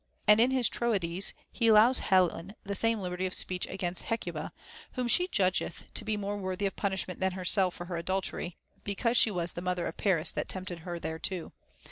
And in his Troades, he allows Helen the same liberty of speech against Hecuba, whom she judgeth to be more worthy of punishment than herself for her adultery, because she was the mother of Paris that tempted her thereto.